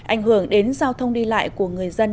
ảnh hưởng đến giao thông đi lại của người dân